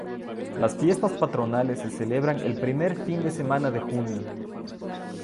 Las fiestas patronales se celebran el primer fin de semana de junio.